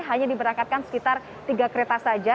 hanya diberangkatkan sekitar tiga kereta saja